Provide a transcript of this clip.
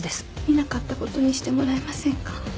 見なかったことにしてもらえませんか？